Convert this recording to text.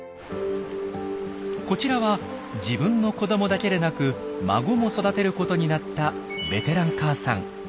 こちらは自分の子どもだけでなく孫も育てることになったベテラン母さん。